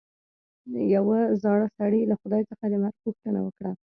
یوه زاړه سړي له خدای څخه د مرګ غوښتنه وکړه.